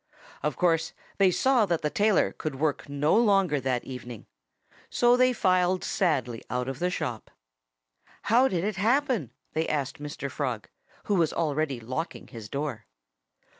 Of course they saw that the tailor could work no longer that evening. So they filed sadly out of the shop. "How did it happen?" they asked Mr. Frog, who was already locking his door.